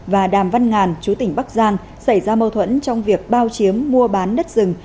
và đàm văn ngàn chú tỉnh bắc giang xảy ra mâu thuẫn trong việc bao chiếm mua bán đất rừng